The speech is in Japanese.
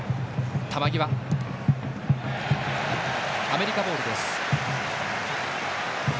アメリカボールです。